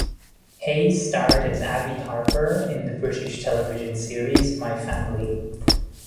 Hayes starred as Abi Harper in the British television series "My Family".